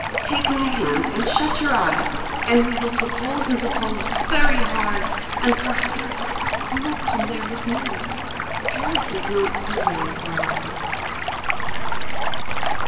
Take my hand, and shut your eyes, and we will suppose and suppose very hard, and, perhaps, you will come there with me. Paris is not so very far off."